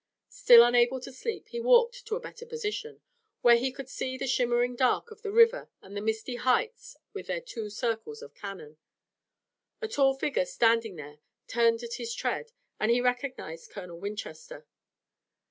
Still unable to sleep, he walked to a better position, where he could see the shimmering dark of the river and the misty heights with their two circles of cannon. A tall figure standing there turned at his tread and he recognized Colonel Winchester.